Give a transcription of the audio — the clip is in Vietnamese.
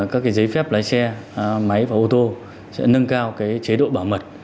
các cái giấy phép lái xe máy và ô tô sẽ nâng cao cái chế độ bảo mật